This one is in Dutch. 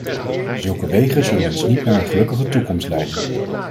Zulke wegen zullen ons niet naar een gelukkige toekomst leiden.